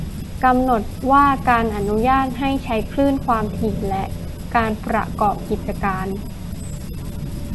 กำหนดว่า การอนุญาตให้ใช้คลื่นความถี่ และ การประกอบกิจการ